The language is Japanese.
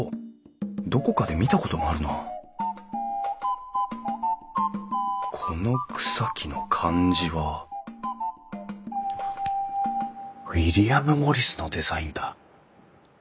どこかで見たことがあるなこの草木の感じはウィリアム・モリスのデザインだ。